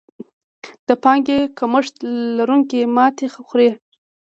د پانګې کمښت لرونکي ماتې خوري.